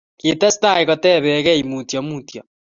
kitestai kotebekei mutyo mutyo